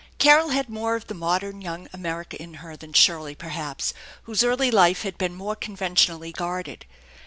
Carol had more of the modern young America in her than Shirley, perhaps, whose early life had been more conventionally guarded.